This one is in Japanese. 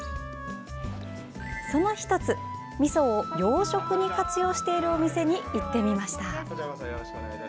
その１つ、みそを洋食に活用しているお店に行ってみました。